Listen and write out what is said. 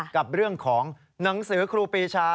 กับเรื่องของหนังสือครูปีชา